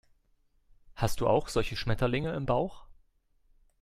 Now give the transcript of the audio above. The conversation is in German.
Hast du auch solche Schmetterlinge im Bauch?